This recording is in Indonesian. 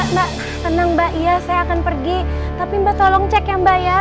mbak senang mbak iya saya akan pergi tapi mbak tolong cek ya mbak ya